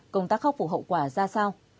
công tác khắc phục hậu quả ra sao